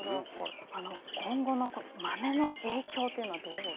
今後のまめの影響というのはどう？